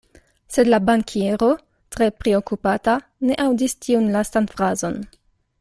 Sed la bankiero tre priokupata ne aŭdis tiun lastan frazon.